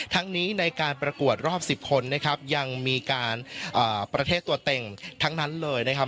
ทั้งนี้ในการประกวดรอบ๑๐คนนะครับยังมีการประเทศตัวเต็งทั้งนั้นเลยนะครับ